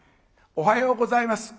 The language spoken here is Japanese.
「おはようございます。